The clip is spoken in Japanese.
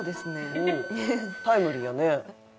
タイムリーやね。